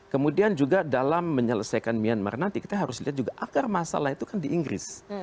kemudian juga dalam menyelesaikan myanmar nanti kita harus lihat juga akar masalah itu kan di inggris